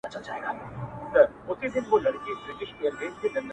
تیاري رخصتوم دي رباتونه رڼاکیږي،